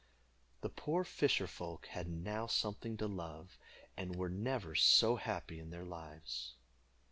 The poor fisher folk had now something to love, and were never so happy in their lives.